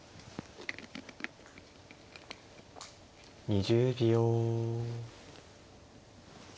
２０秒。